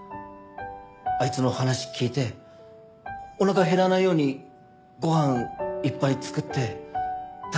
あいつの話聞いておなか減らないようにご飯いっぱい作って食べて。